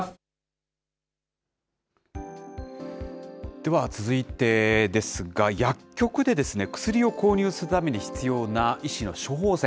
では続いてですが、薬局で薬を購入するために必要な医師の処方箋。